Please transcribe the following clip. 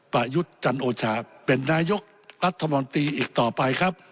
ประยุทธ์จันโอชาเป็นนายกรัฐมนตรีอีกต่อไปครับ